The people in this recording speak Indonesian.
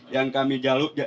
yang kami calonkan